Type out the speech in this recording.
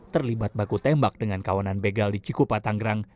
terlibat baku tembak dengan kawanan begal di cikupa tanggerang